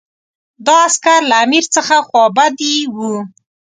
دا عسکر له امیر څخه خوابدي وو.